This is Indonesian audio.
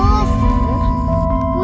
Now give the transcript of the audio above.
kak puisinya bagus